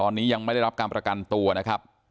ตอนนี้ยังไม่ได้รับการประกันตัวนะครับ